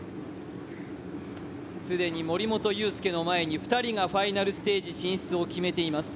既に森本裕介の前に２人がファイナルステージ進出を決めています。